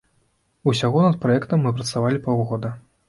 Усяго над праектам мы працавалі паўгода.